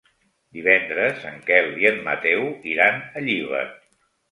Divendres en Quel i en Mateu iran a Llíber.